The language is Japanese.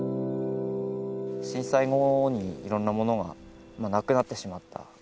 震災後にいろんなものがなくなってしまった。